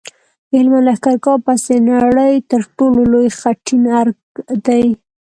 د هلمند لښکرګاه بست د نړۍ تر ټولو لوی خټین ارک دی